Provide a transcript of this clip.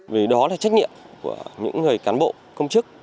vì đó là trách nhiệm của những người cán bộ công chức